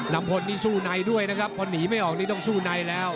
ลำพลนี่สู้ในด้วยนะครับพอหนีไม่ออกนี่ต้องสู้ในแล้ว